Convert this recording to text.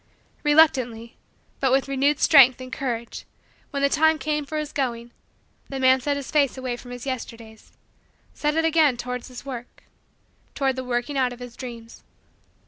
Reluctantly, but with renewed strength and courage, when the time came for his going, the man set his face away from his Yesterdays set it again toward his work toward the working out of his dreams.